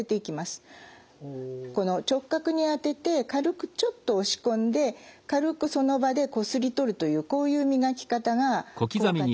直角にあてて軽くちょっと押し込んで軽くその場でこすり取るというこういう磨き方が効果的です。